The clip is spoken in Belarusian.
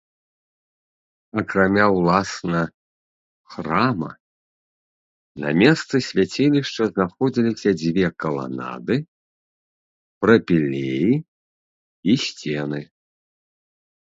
Акрамя ўласна храма, на месцы свяцілішча знаходзіліся дзве каланады, прапілеі і сцены.